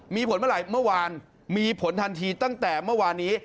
มีผลเมื่อไหร่เมื่อวานมีผลทันทีตั้งแต่เมื่อวานนี้